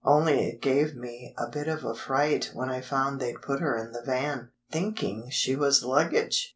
Only it gave me a bit of a fright when I found they'd put her in the van, thinking she was luggage!"